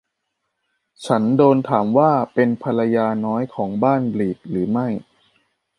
ฉันโดนถามว่าเป็นภรรยาน้อยของบ้านบลีกหรือไม่